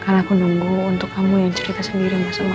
karena aku nunggu untuk kamu yang cerita sendiri mas sama aku